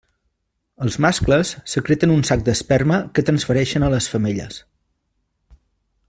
Els mascles secreten un sac d'esperma que transfereixen a les femelles.